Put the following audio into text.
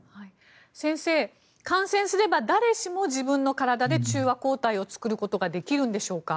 先生、感染すれば誰しも自分の体で中和抗体を作ることができるのでしょうか。